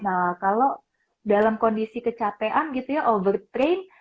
nah kalau dalam kondisi kecatean gitu ya overtrain